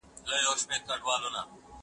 زه مخکي زده کړه کړي وو،